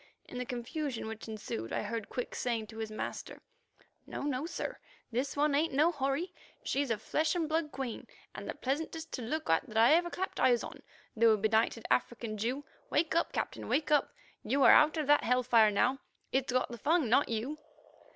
In the confusion which ensued, I heard Quick saying to his master: "No, no, sir; this one ain't no houri. She's a flesh and blood queen, and the pleasantest to look at I ever clapped eyes on, though a benighted African Jew. Wake up, Captain, wake up; you are out of that hell fire now. It's got the Fung, not you."